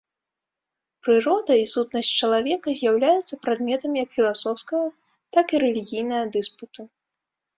Прырода і сутнасць чалавека з'яўляецца прадметам як філасофскага, так і рэлігійнага дыспуту.